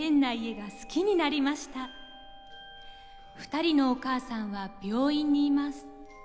２人のお母さんは病院にいます。